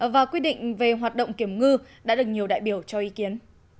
và quy định về hoạt động kiểm ngư đã được nhiều đại biểu cho ý kiến